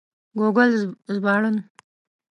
ګوګل ژباړن